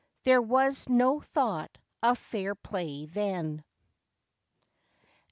'there was no thought of fair play then.'